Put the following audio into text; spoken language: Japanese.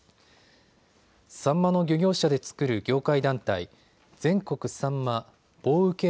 サンマの漁業者で作る業界団体、全国さんま棒受